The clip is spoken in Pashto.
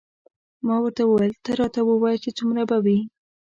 ما ورته وویل نه راته ووایه چې څومره به وي.